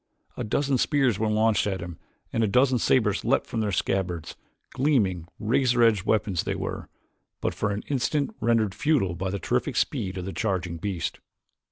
A dozen spears were launched at him and a dozen sabers leaped from their scabbards; gleaming, razor edged weapons they were, but for the instant rendered futile by the terrific speed of the charging beast.